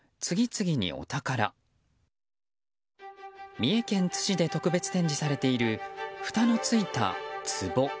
三重県津市で特別展示されているふたのついた、つぼ。